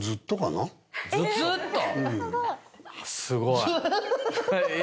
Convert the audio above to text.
すごい。